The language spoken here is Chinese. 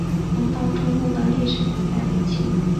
黄道周墓的历史年代为清。